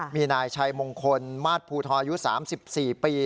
มีนายชัยมงคลมาสภูทออายุ๓๔ปี